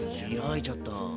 開いちゃった。